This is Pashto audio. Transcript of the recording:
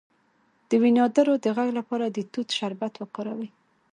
د وینادرو د غږ لپاره د توت شربت وکاروئ